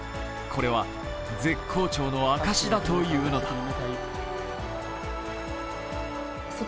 これは、絶好調の証だというのだ。